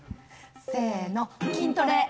せの筋トレ。